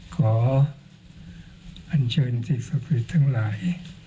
ขออัญเชิญสิทธิสัตวิทย์ทั้งหลาย